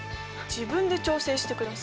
自分で調整してください。